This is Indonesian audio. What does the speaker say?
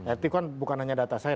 arti kan bukan hanya data saya